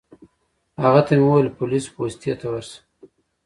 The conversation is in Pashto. هغه ته مې وویل پولیس پوستې ته ورشه.